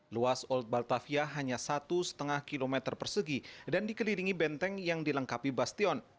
luas old batavia hanya satu lima km persegi dan dikelilingi benteng yang dilengkapi bastion